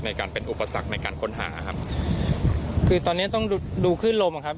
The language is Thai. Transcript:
ในการเป็นอุปสรรคในการค้นหาครับคือตอนเนี้ยต้องดูดูคลื่นลมครับ